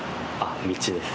道です。